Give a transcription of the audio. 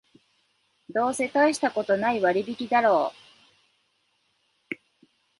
どうせたいしたことない割引だろう